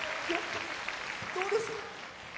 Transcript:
どうですか？